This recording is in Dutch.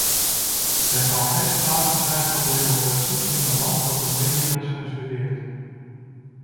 Er kan geen sprake zijn van democratie in een land dat de media censureert.